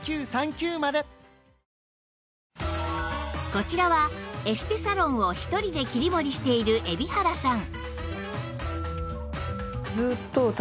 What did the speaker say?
こちらはエステサロンを１人で切り盛りしている蛯原さん